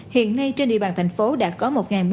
hiện nay trên địa bàn thành phố đã có